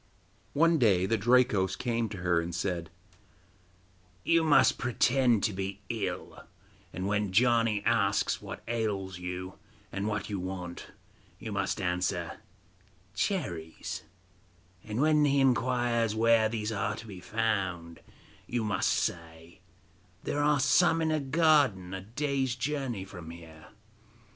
One day the Drakos came to her, and said: 'You must pretend to be ill, and when Janni asks what ails you, and what you want, you must answer: "Cherries," and when he inquires where these are to be found, you must say: "There are some in a garden a day's journey from here."